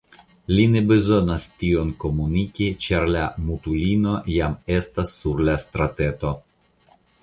Li ne bezonas tion komuniki, ĉar la mutulino jam estas sur la strateto.